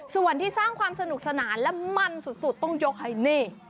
ส่วนที่สร้างความสนุกสนานและมั่นสุดต้องยกให้นี่